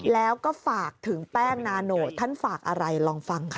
แล้วก็ฝากถึงแป้งนาโนตท่านฝากอะไรลองฟังค่ะ